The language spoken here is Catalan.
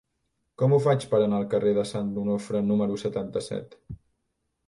Com ho faig per anar al carrer de Sant Onofre número setanta-set?